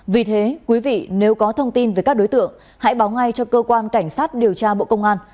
vì thế quý vị nếu có thông tin về các đối tượng hãy báo ngay cho cơ quan cảnh sát điều tra bộ công an